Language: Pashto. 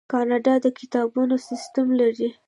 کاناډا د کتابتونونو سیستم لري.